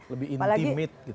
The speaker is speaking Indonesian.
lebih intimate gitu